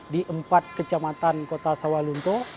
di empat kecamatan kota sawalunto